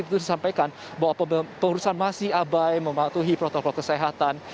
jadi itu disampaikan bahwa pengurusan masih abai mematuhi protokol kesehatan